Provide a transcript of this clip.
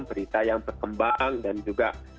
berita yang berkembang dan juga